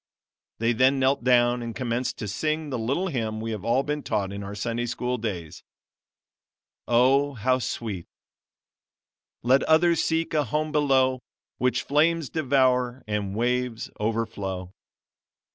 They then knelt down and commenced to sing the little hymn we have all been taught in our Sunday School days. Oh! how sweet: "Let others seek a home below, which flames devour and waves overflow."